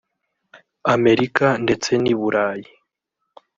Amerika ndetse n’i Burayi